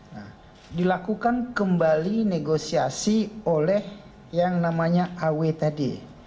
nah dilakukan kembali negosiasi oleh yang namanya aw tadi